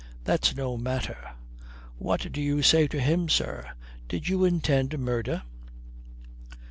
"That's no matter. What do you say to him, sir? Did you intend murder?"